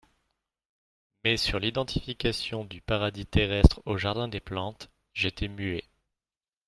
Mais sur l'identification du Paradis terrestre au Jardin des Plantes, j'étais muet.